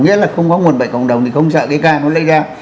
nghĩa là không có nguồn bệnh cộng đồng thì không sợ cái ca nó lây ra